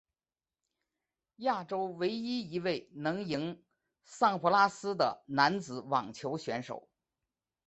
亚洲唯一一位能赢桑普拉斯的男子网球选手。